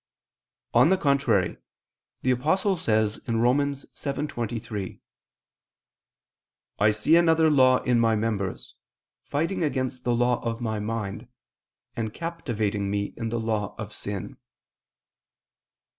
On the contrary, The Apostle says (Rom. 7:23): "I see another law in my members, fighting against the law of my mind, and captivating me in the law of sin."